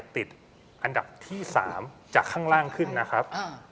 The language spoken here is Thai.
ติดอันดับที่๓จากข้างล่างขึ้นนะครับ